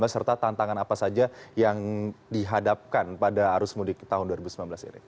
serta tantangan apa saja yang dihadapkan pada arus mudik tahun dua ribu sembilan belas ini